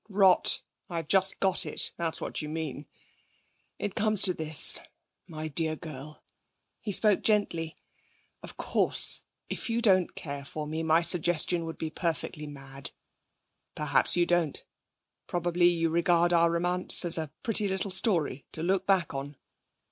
'Rot! I've just got it! That's what you mean. It comes to this, my dear girl' he spoke gently. 'Of course, if you don't care for me, my suggestion would be perfectly mad. Perhaps you don't. Probably you regard our romance as a pretty little story to look back on.'